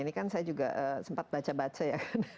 ini kan saya juga sempat baca baca ya kan